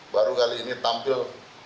baru kali ini tampil